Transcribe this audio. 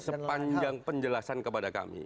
sepanjang penjelasan kepada kami